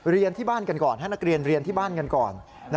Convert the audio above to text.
เรียนที่บ้านกันก่อนให้นักเรียนเรียนที่บ้านกันก่อน